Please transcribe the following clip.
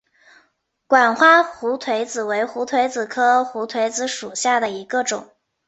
管花胡颓子为胡颓子科胡颓子属下的一个种。